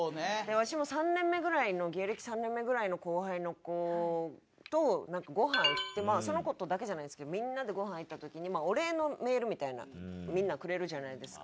わしも３年目ぐらいの芸歴３年目ぐらいの後輩の子とごはん行ってその子とだけじゃないんですけどみんなでごはん行った時にお礼のメールみたいなみんなくれるじゃないですか。